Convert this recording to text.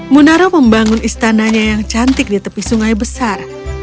munaro membangun istananya yang cantik di tepi sungai besar